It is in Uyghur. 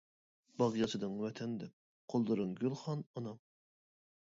باغ ياسىدىڭ ۋەتەن دەپ، قوللىرىڭ گۈل خان ئانام.